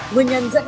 nguyên nhân dẫn đến